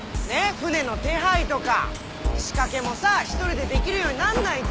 船の手配とか仕掛けもさ１人でできるようになんないと！